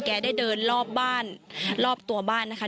แกได้เดินรอบบ้านรอบตัวบ้านนะคะ